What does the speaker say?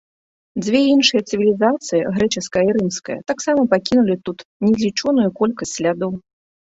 Дзве іншыя цывілізацыі, грэчаская і рымская, таксама пакінулі тут незлічоную колькасць слядоў.